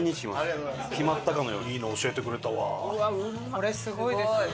これすごいですね。